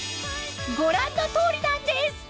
ご覧の通りなんです！